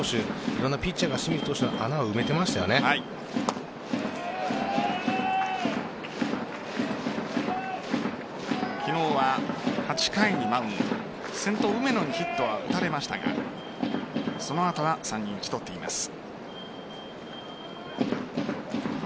いろんなピッチャーが清水投手の昨日は８回にマウンド先頭・梅野にヒットは打たれましたがその後は３人打ち取っています。